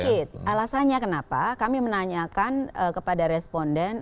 sedikit alasannya kenapa kami menanyakan kepada responden